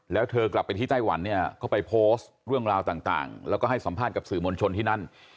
แล้วเธอกลับไปที่ไต้หวันเนี่ยก็ไปโพสต์เรื่องราวต่างแล้วก็ให้สัมภาษณ์กับสื่อมวลชนที่นั่น